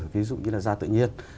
ví dụ như là da tự nhiên